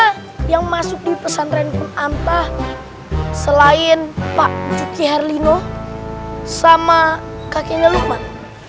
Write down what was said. siapa yang masuk di pesantren punantah selain pak juki harlino sama kakeknya lukman